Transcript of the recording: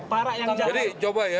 parah yang jalan